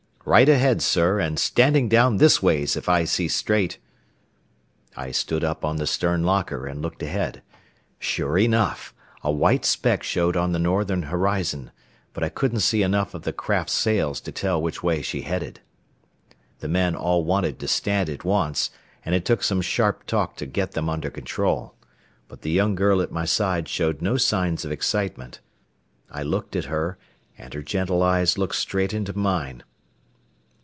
"Right ahead, sir, and standing down this ways, if I see straight." I stood up on the stern locker and looked ahead. Sure enough, a white speck showed on the northern horizon, but I couldn't see enough of the craft's sails to tell which way she headed. The men all wanted to stand at once, and it took some sharp talk to get them under control; but the young girl at my side showed no signs of excitement. I looked at her, and her gentle eyes looked straight into mine.